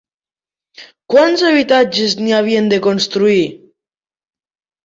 Quants habitatges n'hi havien de construir?